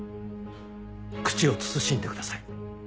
口を慎んでください。